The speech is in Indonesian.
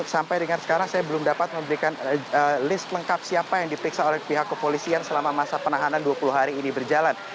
sampai dengan sekarang saya belum dapat memberikan list lengkap siapa yang diperiksa oleh pihak kepolisian selama masa penahanan dua puluh hari ini berjalan